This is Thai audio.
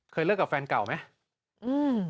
เลิกกับแฟนเก่าไหม